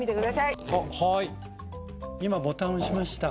今ボタン押しました。